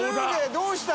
どうした？